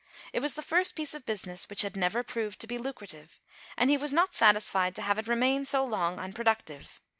It was the first piece of busi ness which had never proved to be lucrative, and he was not satisfied to have it remain so long unproductive.